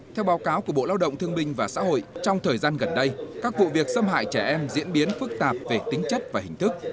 theo báo cáo của bộ lao động thương binh và xã hội trong thời gian gần đây các vụ việc xâm hại trẻ em diễn biến phức tạp về tính chất và hình thức